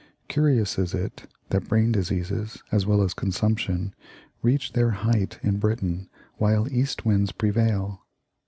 Curious is it that brain diseases, as well as consumption, reach their height in Britain while east winds prevail.